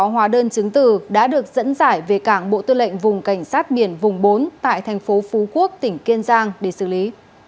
hóa đơn chứng từ đã được dẫn giải về cảng bộ tư lệnh vùng cảnh sát biển vùng bốn tại thành phố phú quốc tỉnh kiên giang để xử lý